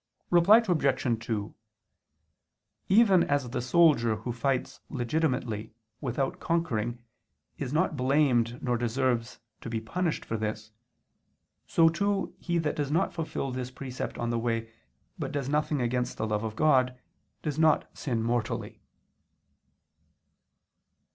Reply Obj. 2: Even as the soldier who fights legitimately without conquering is not blamed nor deserves to be punished for this, so too he that does not fulfil this precept on the way, but does nothing against the love of God, does not sin mortally.